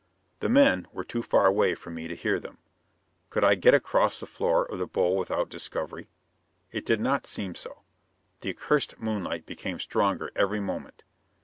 The men were too far away for me to hear them. Could I get across the floor of the bowl without discovery? It did not seem so. The accursed moonlight became stronger every moment.